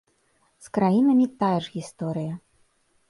З краінамі тая ж гісторыя.